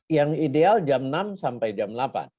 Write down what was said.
yang ideal jam enam sampai jam delapan